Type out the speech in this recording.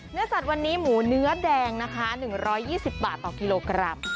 เนื้อสัตว์วันนี้หมูเนื้อแดงนะคะ๑๒๐บาทต่อกิโลกรัม